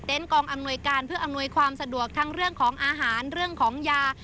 กองอำนวยการเพื่ออำนวยความสะดวกทั้งเรื่องของอาหารเรื่องของยา